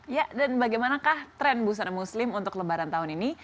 ya dan bagaimanakah tren busana muslim untuk lebaran tahun ini